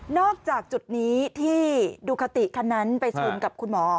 จากจุดนี้ที่ดูคาติคันนั้นไปซูมกับคุณหมอ